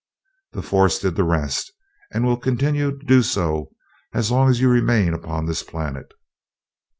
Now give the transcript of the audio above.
The forces did the rest, and will continue to do so as long as you remain upon this planet."